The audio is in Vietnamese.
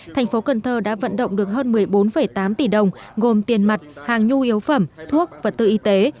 thành phố cần thơ đã vận động được hơn một mươi bốn tám tỷ đồng gồm tiền mặt hàng nhu yếu phẩm thuốc và tư y tế